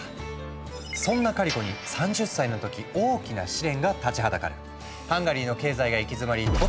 そんなカリコに３０歳の時大きな試練が立ちはだかる。